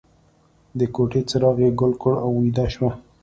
د کوټې څراغ یې ګل کړ او ویده شو